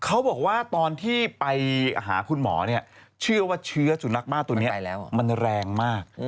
เขาบอกว่าตอนที่ไปหาคุณหมอเนี่ยเชื่อว่าเชื้อสุนัขมาตัวนี้มันแรงมาก